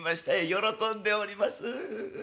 喜んでおります。